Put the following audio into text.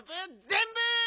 ぜんぶ！